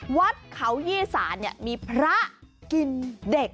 วัดเขายี่สานมีพระกินเด็ก